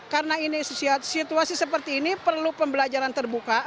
karena situasi seperti ini perlu pembelajaran terbuka